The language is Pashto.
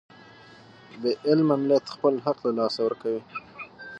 بې علمه ملت خپل حق له لاسه ورکوي.